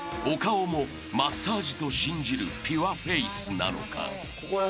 ［お顔もマッサージと信じるピュアフェイスなのか？］